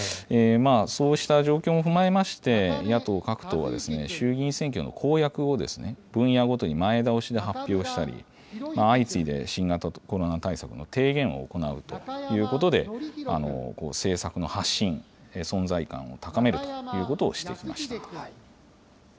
そうした状況も踏まえまして、野党各党は、衆議院選挙の公約を、分野ごとに前倒しで発表したり、相次いで新型コロナ対策の提言を行うということで、政策の発信、存在感を高めるということをしてきました。